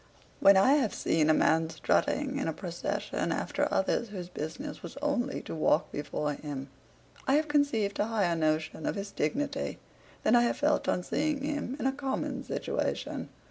When I have seen a man strutting in a procession, after others whose business was only to walk before him, I have conceived a higher notion of his dignity than I have felt on seeing him in a common situation.